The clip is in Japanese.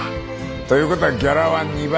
ということはギャラは２倍。